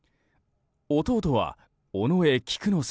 弟は尾上菊之助。